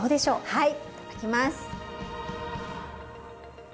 はいいただきます。